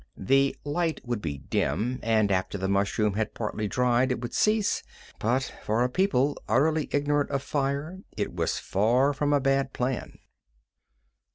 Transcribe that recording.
The light would be dim, and after the mushroom had partly dried it would cease, but for a people utterly ignorant of fire it was far from a bad plan.